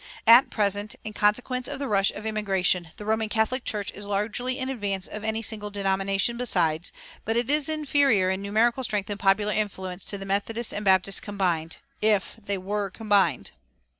At present, in consequence of the rush of immigration, the Roman Catholic Church is largely in advance of any single denomination besides, but is inferior in numerical strength and popular influence to the Methodists and Baptists combined if they were combined.